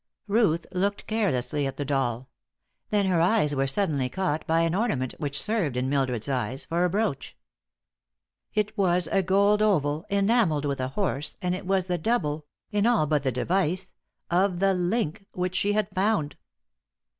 Ruth looked carelessly at the doll. Then her eyes were suddenly caught by an ornament which served, in Mildred's eyes, for a brooch. It was a gold oval, enamelled with a horse, and it was the double in all but the device of the link which she had found.